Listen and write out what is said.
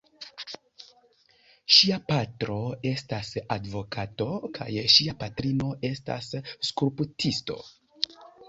Ŝia patro estas advokato kaj ŝia patrino estas skulptisto.